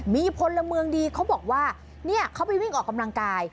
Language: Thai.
มีพลเมืองดีเขาบอกว่าเนี่ยเขาไปวิ่งออกกำลังกาย